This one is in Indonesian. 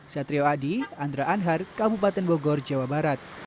satrio adi andra anhar kabupaten bogor jawa barat